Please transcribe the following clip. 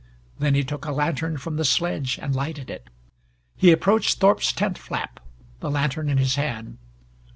Then he took a lantern from the sledge and lighted it. He approached Thorpe's tent flap, the lantern in his hand.